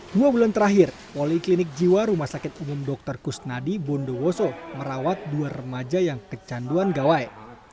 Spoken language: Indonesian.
dua bulan terakhir poliklinik jiwa rumah sakit umum dr kusnadi bondowoso merawat dua remaja yang kecanduan gawai